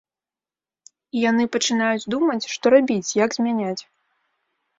І яны пачынаюць думаць, што рабіць, як змяняць?